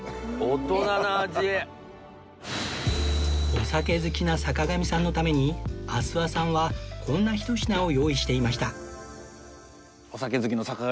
お酒好きな坂上さんのために阿諏訪さんはこんな一品を用意していました